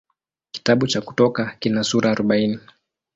Kitabu cha Kutoka kina sura arobaini.